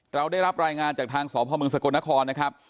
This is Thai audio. เราได้รับรายงานจากทางสพมสกลนครนะครับ